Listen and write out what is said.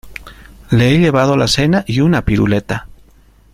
le he llevado la cena y una piruleta.